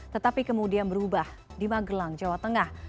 tetapi kemudian berubah di magelang jawa tengah